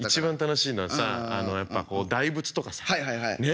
あのやっぱ大仏とかさね？